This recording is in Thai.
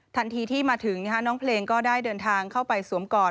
ทันทีที่มาถึงน้องเพลงก็ได้เดินทางเข้าไปสวมกอด